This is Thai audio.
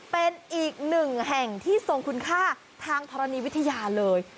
เป็นอีกหนึ่งแห่งที่ทรงคุณค่าทางธรณีวิทยาเลย